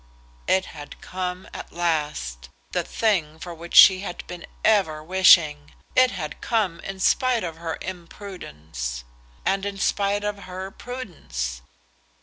It had come at last, the thing for which she had been ever wishing. It had come in spite of her imprudence, and in spite of her prudence.